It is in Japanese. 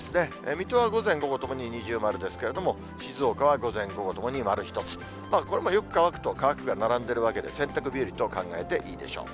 水戸は午前、午後ともに二重丸ですけれども、静岡は午前、午後ともに丸１つ、これもよく乾くと乾くが並んでるわけで、洗濯日和と考えていいでしょう。